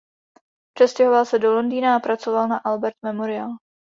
Přestěhoval se do Londýna a pracoval na Albert Memorial.